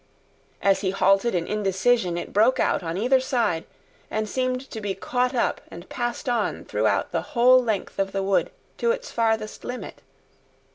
As he halted in indecision it broke out on either side, and seemed to be caught up and passed on throughout the whole length of the wood to its farthest limit.